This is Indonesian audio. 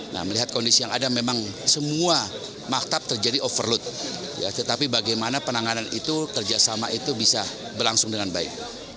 nah melihat kondisi yang ada memang semua maktab terjadi overload tetapi bagaimana penanganan itu kerjasama itu bisa berlangsung dengan baik